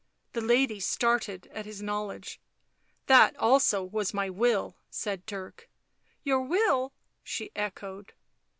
The lady started at his knowledge. " That also was my will," said Dirk. " Your will !" she echoed.